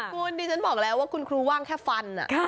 คุณดิฉันบอกแล้วว่าคุณครูว่างแค่ฟัน